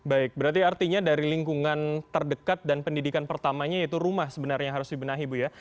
baik berarti artinya dari lingkungan terdekat dan pendidikan pertamanya yaitu rumah sebenarnya yang harus dibenahi bu ya